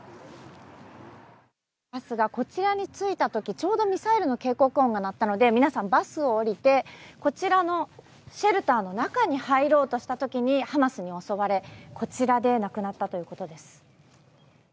バスがこちらに着いた時ちょうどミサイルの警告音が鳴ったので皆さん、バスを降りてこちらのシェルターの中に入ろうとした時にハマスに襲われこちらで亡くなったということです。